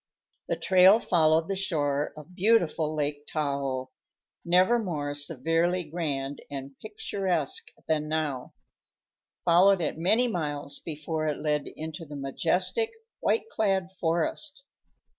The trail followed the shore of beautiful Lake Tahoe never more severely grand and picturesque than now followed it many miles before it led into the majestic, white clad forest.